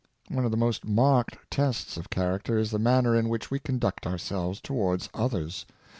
One of the most marked tests of character is the manner in which we conduct ourselves towaids others.